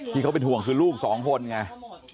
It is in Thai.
ที่เขาเป็นห่วงคือลูกสองคนไง